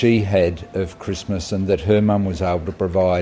dia tidak bisa memberikan pengalaman yang dia punya